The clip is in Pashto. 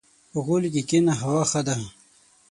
• په غولي کښېنه، هوا ښه ده.